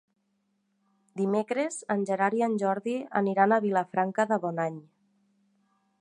Dimecres en Gerard i en Jordi aniran a Vilafranca de Bonany.